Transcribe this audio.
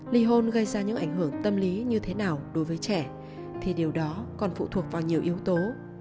li hôn gây ra những ảnh hưởng tâm lý như thế nào đối với trẻ thì điều đó còn phụ thuộc vào nhiều yếu tố